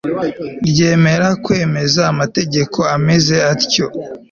ryemera kwemeza amategeko ameze atyo